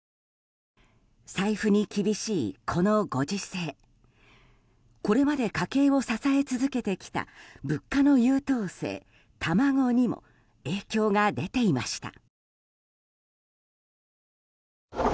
財布に厳しいこのご時世これまで家計を支え続けてきた物価の優等生卵にも影響が出ていました。